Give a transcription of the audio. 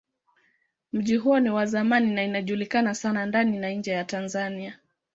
Mji huo ni wa zamani na ilijulikana sana ndani na nje ya Tanzania.